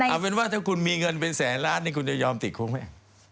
เอาเป็นว่าถ้าคุณมีเงินเป็นแสนล้านนี่คุณจะยอมติดคุกไหม